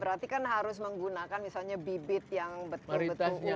berarti kan harus menggunakan misalnya bibit yang betul betul unik